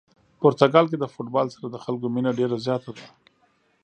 پرتګال کې د فوتبال سره د خلکو مینه ډېره زیاته ده.